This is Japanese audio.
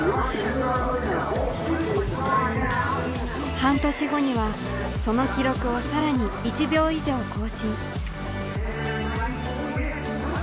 半年後にはその記録を更に１秒以上更新。